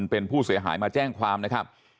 เป็นผู้เสียหายมาแจ้งความนะครับ